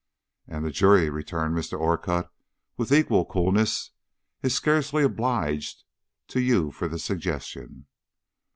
"And the jury," returned Mr. Orcutt, with equal coolness, "is scarcely obliged to you for the suggestion."